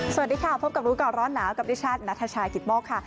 สวัสดีค่ะพบกับรู้ก่อนร้อนหนาวกับดิฉันนัทชายกิตโมกค่ะ